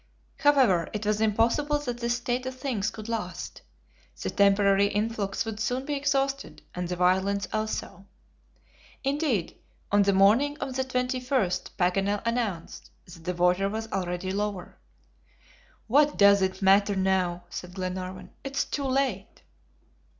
However, it was impossible that this state of things could last. The temporary influx would soon be exhausted, and the violence also. Indeed, on the morning of the 21st, Paganel announced that the water was already lower. "What does it matter now?" said Glenarvan. "It is too late!"